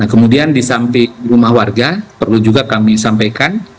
kemudian di samping rumah warga perlu juga kami sampaikan